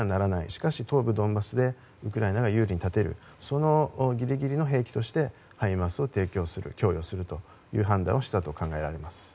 しかし、東部ドンバスでウクライナが有利に立てるそのギリギリの兵器としてハイマースを提供する供与するという判断をしたと考えられます。